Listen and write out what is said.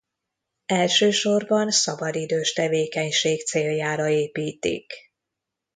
Elsősorban szabadidős tevékenység céljára építik.